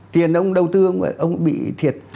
tiền ông đầu tư ông bị thiệt